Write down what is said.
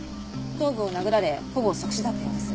頭部を殴られほぼ即死だったようです。